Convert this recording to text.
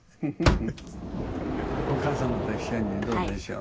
お母様と一緒にどうでしょう。